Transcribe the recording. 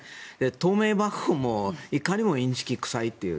透明箱もいかにもインチキくさいという。